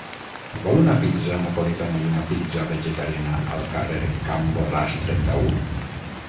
Vol una pizza napolitana i una pizza vegetariana al carrer Can Borràs trenta-u?